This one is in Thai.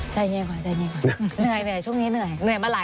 ใจเงียบก่อนในช่วงนี้เหนื่อย